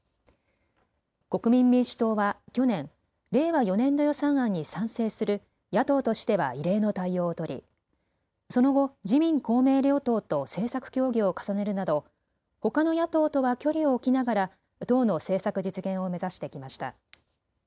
国民民主党は去年、令和４年度予算案に賛成する野党としては異例の対応を取りその後、自民公明両党と政策協議を重ねるなどほかの野党とは距離を置きながら党の政策実現を目指してきました。